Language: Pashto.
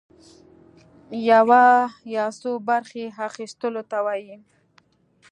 يوه يا څو برخي اخيستلو ته وايي.